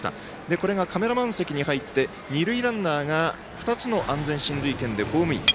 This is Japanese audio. これがカメラマン席に入って二塁ランナーが、２つの安全進塁権でホームイン。